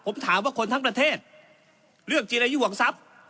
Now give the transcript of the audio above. ผมถามว่าคนทั้งประเทศเลือกจีรายุห่วงทรัพย์